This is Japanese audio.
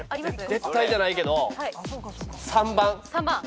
絶対じゃないけど。